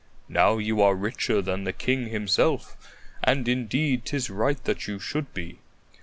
"Now you are richer than the king himself, and indeed, 'tis right that you should be.